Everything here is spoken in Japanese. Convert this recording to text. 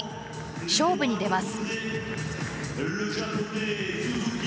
勝負に出ます。